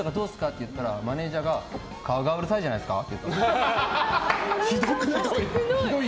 って言ったらマネジャーが、顔がうるさいじゃないですか？